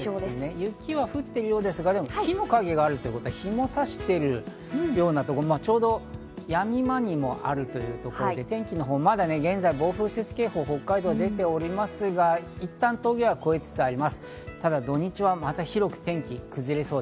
雪が降ってるようですが、木の影があるということは陽がさしてるようなところも、ちょうど、やみ間にもあるということで、天気のほう、まだ現在、北海道に暴風雪警報が出ていますが、いったん峠は越えつつあります。